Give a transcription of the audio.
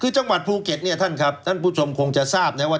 คือจังหวัดภูเก็ตเนี่ยท่านครับท่านผู้ชมคงจะทราบนะว่า